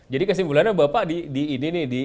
jadi kesimpulannya bapak di ini nih